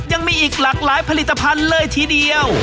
ยังมีอีกหลากหลายผลิตภัณฑ์เลยทีเดียว